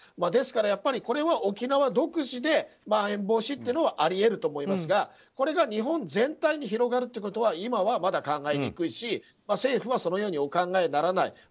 ですから、これは沖縄独自でまん延防止というのはあり得ると思いますがこれが日本全体に広がるということは今は、まだ考えにくいし政府はそのようにお考えにならない。